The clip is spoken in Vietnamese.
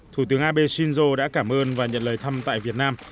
thủ tướng abe shinzo đã cảm ơn và nhận lời thăm tại việt nam